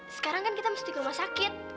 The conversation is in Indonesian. sekarang kan kita mesti ke rumah sakit